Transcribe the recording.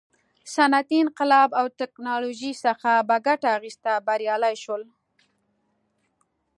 صنعتي انقلاب او ټکنالوژۍ څخه په ګټه اخیستنه بریالي شول.